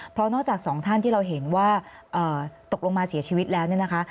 เพราะนอกจากสองท่านที่เราเห็นว่าตกลงมาเสียชีวิตแล้วเนี่ยนะคะ